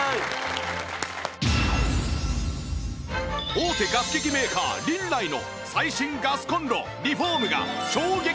大手ガス機器メーカーリンナイの最新ガスコンロリフォームが衝撃価格で登場！